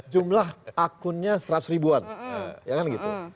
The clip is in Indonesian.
jumlah akunnya seratus ribuan